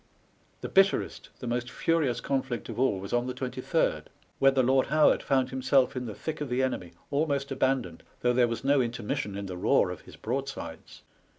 The bitterest, the most furious conflict of all, was on the 23rd, when the Lord Howard found himself in the thick of the enemy, almost abandoned, though there was no inter mission in the roar of his broadsides.